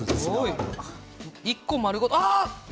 １個丸ごと。